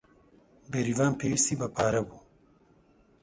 بێریڤان پێویستی بە پارە بوو.